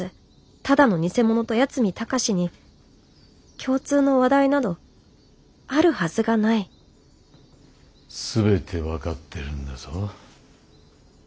ただの偽者と八海崇に共通の話題などあるはずがない全てわかってるんだぞ！！